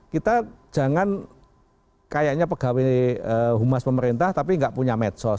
kita jangan kayaknya pegawai humas pemerintah tapi nggak punya medsos